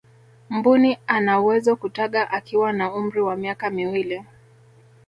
mbuni anawezo kutaga akiwa na umri wa miaka miwili